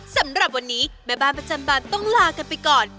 สำหรับวันนี้แม่บ้านประจำบานต้องลากันไปก่อน